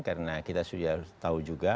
karena kita sudah tahu juga